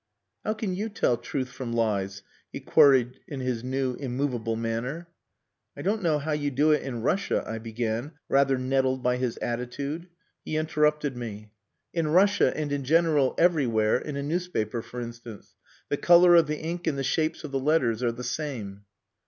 "How can you tell truth from lies?" he queried in his new, immovable manner. "I don't know how you do it in Russia," I began, rather nettled by his attitude. He interrupted me. "In Russia, and in general everywhere in a newspaper, for instance. The colour of the ink and the shapes of the letters are the same."